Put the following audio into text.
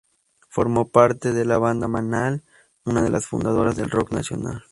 Formó parte de la banda Manal, una de las fundadoras del rock nacional.